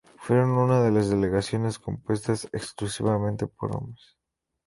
Fueron una de las delegaciones compuestas exclusivamente por hombres.